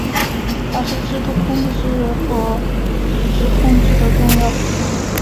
它是制度控制和组织控制的重要补充。